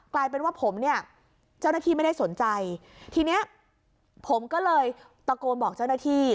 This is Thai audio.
กลายเป็นว่าผมเนี่ยเจ้าหน้าที่ไม่ได้สนใจทีเนี้ยผมก็เลยตะโกนบอกเจ้าหน้าที่